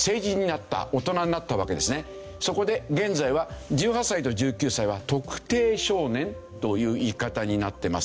そこで現在は１８歳と１９歳は特定少年という言い方になっています。